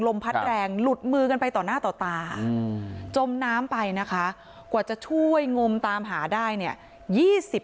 พัดแรงหลุดมือกันไปต่อหน้าต่อตาจมน้ำไปนะคะกว่าจะช่วยงมตามหาได้เนี่ย